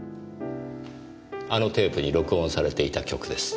あのテープに録音されていた曲です。